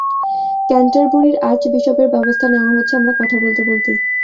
ক্যান্টারবুরির আর্চবিশপের ব্যবস্থা নেওয়া হচ্ছে, আমরা কথা বলতে বলতেই।